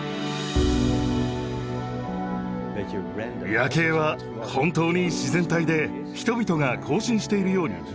「夜警」は本当に自然体で人々が行進しているように見えます。